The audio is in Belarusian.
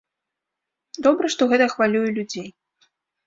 Добра, што гэта хвалюе людзей.